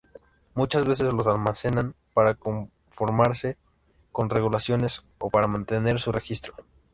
Muchas veces los almacenan para conformarse con regulaciones o para mantener su registro.